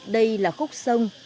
đây là khúc sông